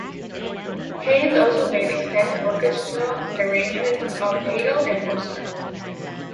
Haynes also made extended orchestral arrangements of Handel and Mozart.